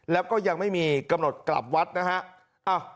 แล้วก็ยังไม่มีกำหนดกลับวัดนะฮะ